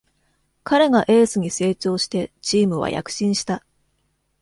彼がエースに成長してチームは躍進した